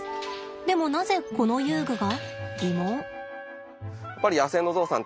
でもなぜこの遊具が？